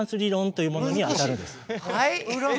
はい？